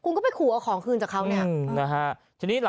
คุณก็ไปขู่เอาของคืนจากเขา